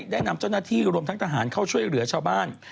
ได้นำเจ้าหน้าที่รวมทั้งทหารเข้าช่วยเหลือชาวบ้าน